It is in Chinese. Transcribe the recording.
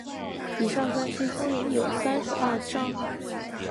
以上三期计有三十二章。